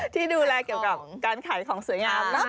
ที่ดูแลเกี่ยวกับการขายของสวยงาม